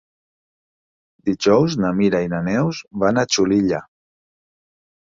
Dijous na Mira i na Neus van a Xulilla.